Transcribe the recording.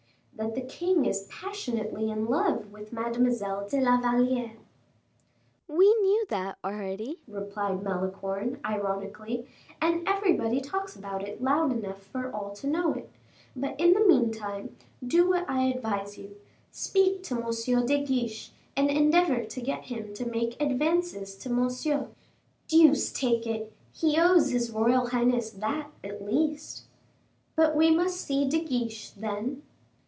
"That the king is passionately in love with Mademoiselle de la Valliere." "We knew that already," replied Malicorne, ironically; "and everybody talks about it loud enough for all to know it; but in the meantime, do what I advise you; speak to M. de Guiche, and endeavor to get him to make advances to Monsieur. Deuce take it! he owes his royal highness that, at least." "But we must see De Guiche, then?"